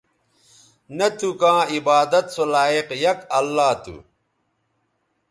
نہ تھو کاں عبادت سو لائق یک اللہ تھو